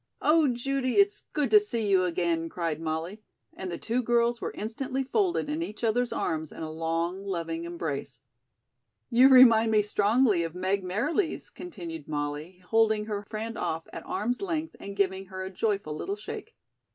"Oh, Judy, it's good to see you again," cried Molly, and the two girls were instantly folded in each other's arms in a long, loving embrace. "You remind me strongly of Meg Merriles," continued Molly, holding her friend off at arms' length and giving her a joyful little shake.